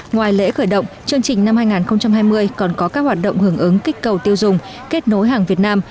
ngoài lễ khởi động chương trình năm hai nghìn hai mươi còn có các hoạt động hưởng ứng kích cầu tiêu dùng kết nối hàng việt nam